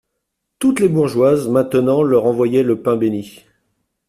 Toutes les bourgeoises, maintenant leur envoyaient le pain bénit.